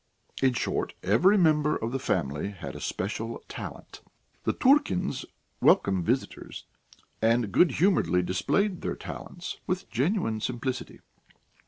In short, every member of the family had a special talent. The Turkins welcomed visitors, and good humouredly displayed their talents with genuine simplicity.